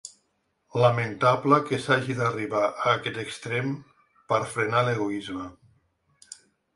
Lamentable que s’hagi d’arribar a aquest extrem per frenar l’egoisme.